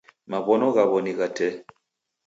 Maw'ono ghaw'o ni gha tee.